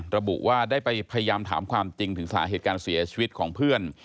ระบุว่าได้ไปพยายามถามความจริงถึงสาเหตุการเสียชีวิตของเพื่อน